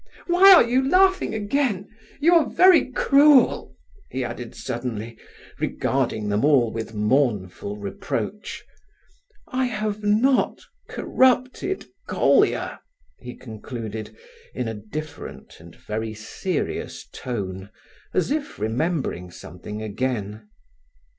why are you laughing again? You are very cruel!" he added suddenly, regarding them all with mournful reproach. "I have not corrupted Colia," he concluded in a different and very serious tone, as if remembering something again.